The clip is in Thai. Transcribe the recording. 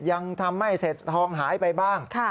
ยังทำไม่เสร็จทองหายไปบ้าง